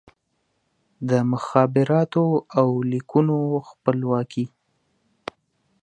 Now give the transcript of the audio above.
د مخابراتو او لیکونو خپلواکي